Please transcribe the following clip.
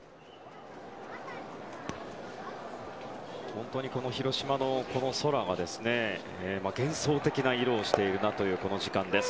本当に広島の空が幻想的な色をしているなというこの時間です。